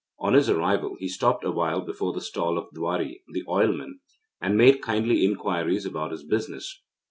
On his arrival, he stopped awhile before the stall of Dwari, the oilman, and made kindly inquiries about his business.